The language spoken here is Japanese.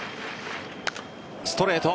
ストレート。